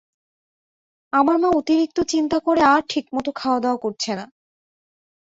আমার মা অতিরিক্ত চিন্তা করে আর ঠিকমত খাওয়া দাওয়া করছে না।